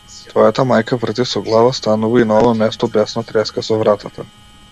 Твојата мајка врти со глава станува и на ова место бесно треска со вратата.